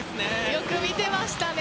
よく見てましたね。